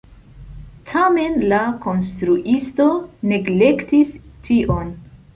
Tamen la konstruisto neglektis tion.